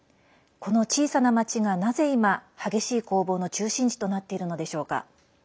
この小さな町が、なぜ今激しい攻防の中心地となっているのでしょうか。